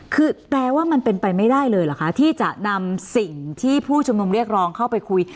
คือแปลว่ามันเป็นไปไม่ได้เลยเหรอคะที่จะนำสิ่งที่ผู้ชุมนุมเรียกร้องเข้าไปคุย